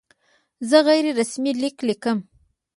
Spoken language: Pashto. زه غیر رسمي لیک لیکم.